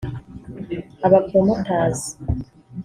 aba promoters